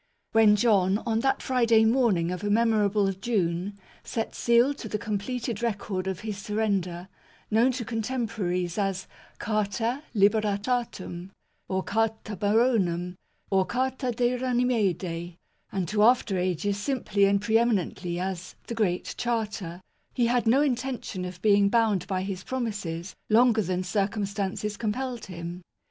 When John, on that Friday morning of a memor able June, set seal to the completed record of his surrender, known to contemporaries as " Carta Liber tatum,"or " Carta Baronum," or "Carta de Runnymede," and to after ages simply and pre eminently, as "The Great Charter," he had no intention of being bound by his promises longer than circumstances compelled MAGNA CARTA (1215 1915) 7 him.